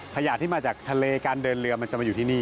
ขยะที่มาจากทะเลการเดินเรือมันจะมาอยู่ที่นี่